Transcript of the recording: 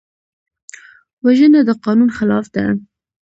وژنه د قانون خلاف ده